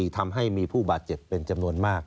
ทำให้มีผู้บาดเจ็บเป็นจำนวนมาก